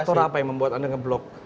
atau apa yang membuat anda ngeblok